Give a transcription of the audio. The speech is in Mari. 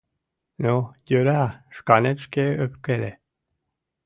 — Ну, йӧра, шканет шке ӧпкеле...